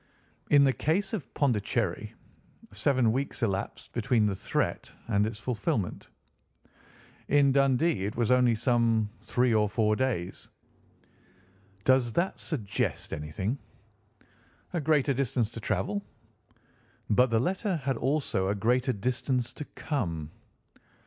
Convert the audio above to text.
In the case of Pondicherry, seven weeks elapsed between the threat and its fulfilment, in Dundee it was only some three or four days. Does that suggest anything?" "A greater distance to travel." "But the letter had also a greater distance to come."